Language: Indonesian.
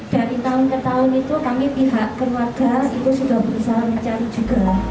dari tahun ke tahun itu kami pihak keluarga itu sudah berusaha mencari juga